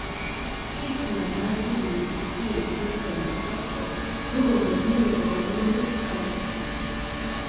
შეიქმნა დარჯილინგის მთიელი გურქების საბჭო, რომელმაც მიიღო ავტონომიის სტატუსი.